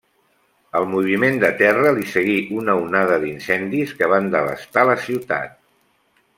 Al moviment de terra li seguí una onada d'incendis que van devastar la ciutat.